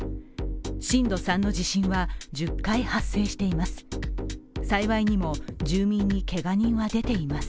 震度３の地震は１０回発生しています。